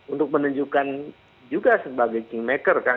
untuk menunjukkan juga sebagai kingmaker kan